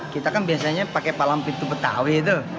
kita kan biasanya pakai palang pintu petawi itu